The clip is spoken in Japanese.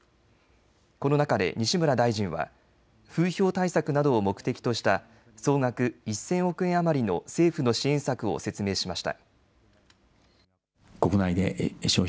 この中で西村大臣は風評対策などを目的とした総額１０００億円余りの政府の支援策を説明しました。